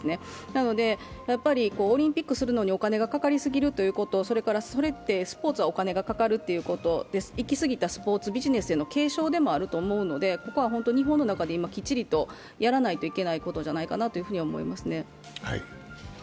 なのでやっぱりオリンピックするのにお金がかかりすぎるということ、それってスポーツはお金がかかるということで、いきすぎたスポーツビジネスへの警鐘でもあると思うので、ここは日本の中できっちりとやらなければいけないことじゃないかなと思いますね。